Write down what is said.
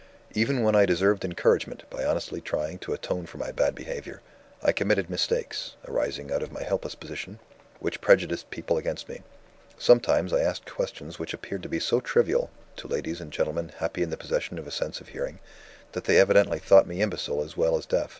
"Even when I deserved encouragement by honestly trying to atone for my bad behavior, I committed mistakes (arising out of my helpless position) which prejudiced people against me. Sometimes, I asked questions which appeared to be so trivial, to ladies and gentlemen happy in the possession of a sense of hearing, that they evidently thought me imbecile as well as deaf.